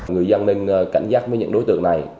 người dân nên cảnh giác với những đối tượng này